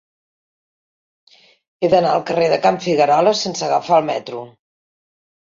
He d'anar al carrer de Can Figuerola sense agafar el metro.